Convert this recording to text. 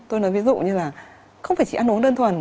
tôi nói ví dụ như là không phải chỉ ăn uống đơn thuần